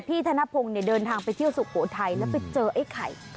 ธนพงศ์เดินทางไปเที่ยวสุโขทัยแล้วไปเจอไอ้ไข่